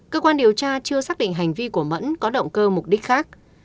cơ quan điều tra chưa xác định hành vi của mẫn có động cơ mục đích khác